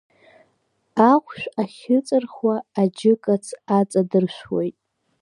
Ахәшә ахьыҵырхуа, аџьыкац аҵадыршәуеит.